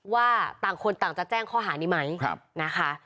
ว่าต่างคนต่างจะแจ้งข้อหานี้ไหมนะคะ